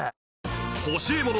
欲しいもの